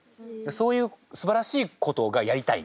そういうすばらしいことがやりたいんですよ。